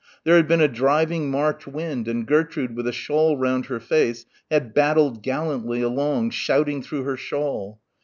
There had been a driving March wind and Gertrude with a shawl round her face had battled gallantly along shouting through her shawl.